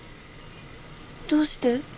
どうして？